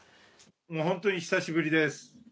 本当に久しぶりです。